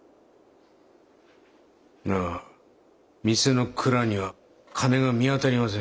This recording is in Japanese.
だが店の蔵には金が見当たりません。